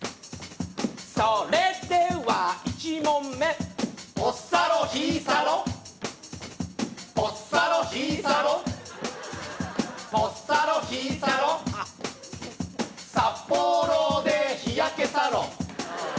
それでは１問目ポッサロヒーサロポッサロヒーサロポッサロヒーサロ札幌で日焼けサロン